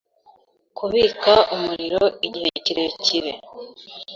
Kubika umuriro igihe kirekire